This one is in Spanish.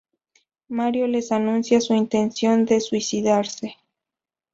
Mario les anuncia su intención de suicidarse.